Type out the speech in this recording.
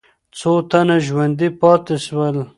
څو تنه ژوندي پاتې سول؟